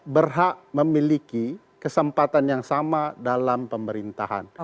berhak memiliki kesempatan yang sama dalam pemerintahan